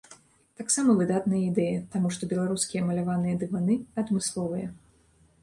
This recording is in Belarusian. Таксама выдатная ідэя, таму што беларускія маляваныя дываны адмысловыя.